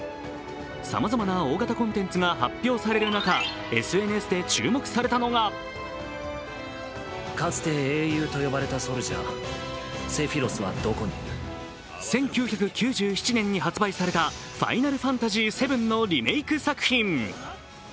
さまざまな大型コンテンツが発表される中ＳＮＳで注目されたのが１９９７年に発売された「ＦＩＮＡＬＦＡＮＴＡＳＹⅦ」のリメーク作品。